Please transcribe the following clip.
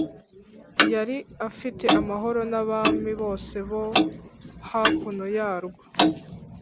Yari afite amahoro n’abami bose bo hakuno yarwo